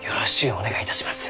お願いいたします。